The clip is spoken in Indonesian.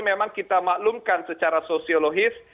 memang kita maklumkan secara sosiologis